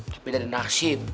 tapi dari nasib